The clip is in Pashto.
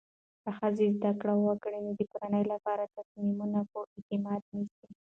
که ښځه زده کړه وکړي، نو د کورنۍ لپاره تصمیمونه په اعتماد نیسي.